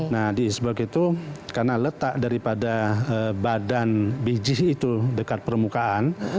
nah di eastburg itu karena letak daripada badan biji itu dekat permukaan